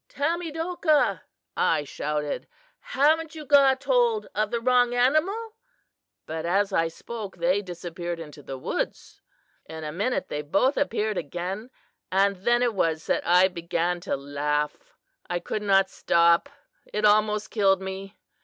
'Tamedokah,' I shouted, 'haven't you got hold of the wrong animal?' but as I spoke they disappeared into the woods. "In a minute they both appeared again, and then it was that I began to laugh. I could not stop. It almost killed me.